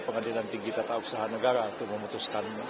pengadilan tinggi tata usaha negara untuk memutuskan